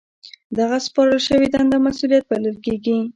دغه سپارل شوې دنده مسؤلیت بلل کیږي.